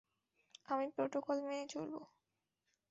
আমি প্রোটোকল মেনে চলব।